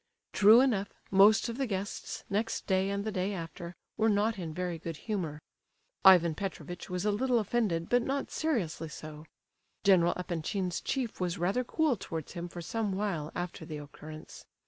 True enough, most of the guests, next day and the day after, were not in very good humour. Ivan Petrovitch was a little offended, but not seriously so. General Epanchin's chief was rather cool towards him for some while after the occurrence.